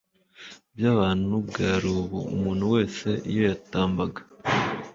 by abantu bwari ubu umuntu wese iyo yatambaga